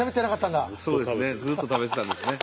そうですねずっと食べてたんですね